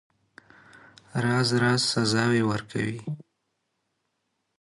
راز راز سزاوي ورکوي.